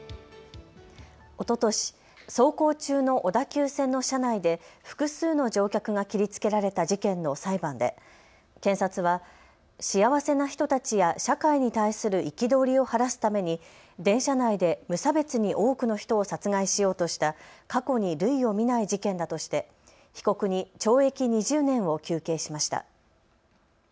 おととし走行中の小田急線の車内で複数の乗客が切りつけられた事件の裁判で検察は幸せな人たちや社会に対する憤りを晴らすために電車内で無差別に多くの人を殺害しようとした過去に類を見ない事件だとして被告に懲役２０年を求刑しました。